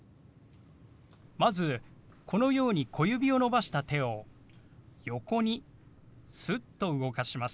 まずこのように小指を伸ばした手を横にすっと動かします。